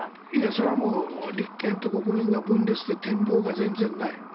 それはもう立憲と国民が分裂で展望が全然ない。